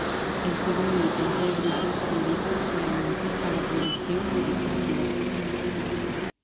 El segundo y tercer grupo se dedican solamente a la producción de electricidad.